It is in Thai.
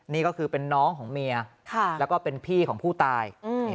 นี่ก็คือเป็นน้องของเมียแล้วก็เป็นพี่ของผู้ตาย